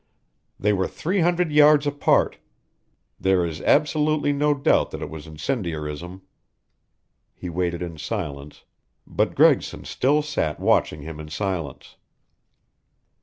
They were three hundred yards apart. There is absolutely no doubt that it was incendiarism." He waited in silence, but Gregson still sat watching him in silence.